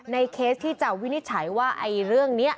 เคสที่จะวินิจฉัยว่าเรื่องนี้